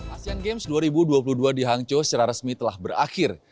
asean games dua ribu dua puluh dua di hangzhou secara resmi telah berakhir